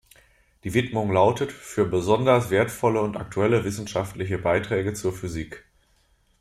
Die Widmung lautet „für besonders wertvolle und aktuelle wissenschaftliche Beiträge zur Physik“.